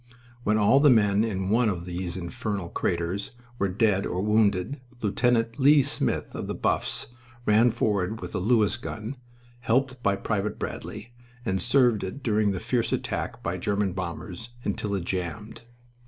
When all the men in one of these infernal craters were dead or wounded Lieut. Lea Smith, of the Buffs, ran forward with a Lewis gun, helped by Private Bradley, and served it during a fierce attack by German bombers until it jammed.